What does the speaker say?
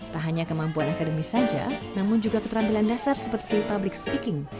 tak hanya kemampuan akademis saja namun juga keterampilan dasar seperti public speaking